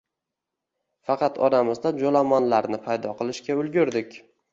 Faqat oramizda joʻlomonlarni paydo qilishga ulgurdik.